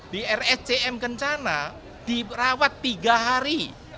di rscm kencana dirawat tiga hari